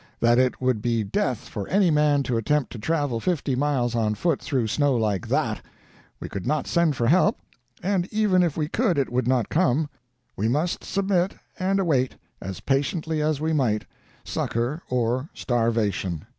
that it would be death for any man to attempt to travel fifty miles on foot through snow like that. We could not send for help, and even if we could it would not come. We must submit, and await, as patiently as we might, succor or starvation!